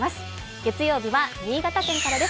月曜日は新潟県からです。